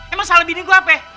emang salah bini gua apa ya